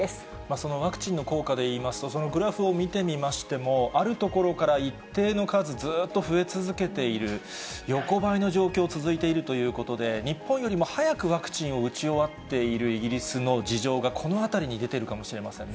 そのワクチンの効果でいいますと、そのグラフを見てみましても、あるところから一定の数、ずっと増え続けている、横ばいの状況、続いているということで、日本よりも早くワクチンを打ち終わっているイギリスの事情が、このあたりに出ているかもしれませんね。